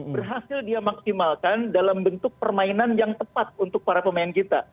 berhasil dia maksimalkan dalam bentuk permainan yang tepat untuk para pemain kita